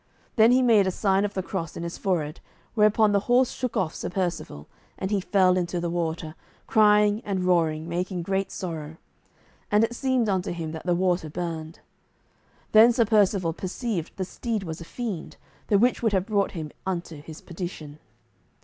Then he made a sign of the cross in his forehead, whereupon the horse shook off Sir Percivale, and he fell into the water, crying and roaring, making great sorrow; and it seemed unto him that the water burned. Then Sir Percivale perceived the steed was a fiend, the which would have brought him unto his perdition.